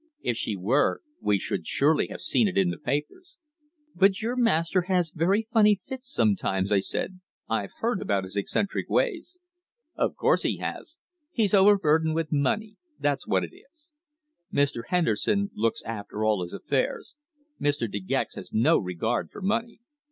If she were, we should surely have seen it in the papers?" "But your master has very funny fits sometimes," I said. "I've heard about his eccentric ways." "Of course he has. He's overburdened with money that's what it is. Mr. Henderson looks after all his affairs. Mr. De Gex has no regard for money.